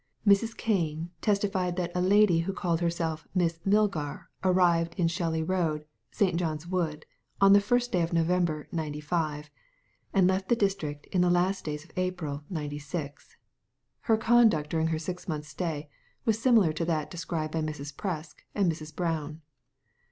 Mrs. Kane testified that a lady who called herself Miss Milgar arrived in Shelley Road, St. John's Wood, on the first day of November, '95, and left the district in the last days of April, '96. Her conduct during her six months' stay was similar to that described by Mrs. Presk and Mrs. Brown.